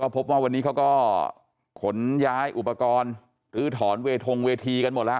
พบว่าวันนี้เขาก็ขนย้ายอุปกรณ์ลื้อถอนเวทงเวทีกันหมดแล้ว